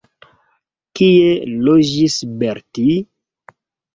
Kie loĝis Belti?